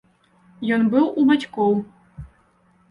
Ён быў у бацькоў.